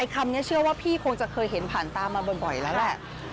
คำนี้เชื่อว่าพี่คงจะเคยเห็นผ่านตามาบ่อยแล้วแหละ